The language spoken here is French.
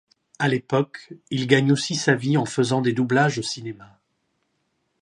A l'époque, il gagne aussi sa vie en faisant des doublages au cinéma.